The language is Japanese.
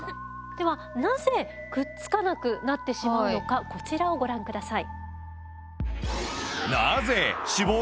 ではなぜくっつかなくなってしまうのかこちらをご覧下さい。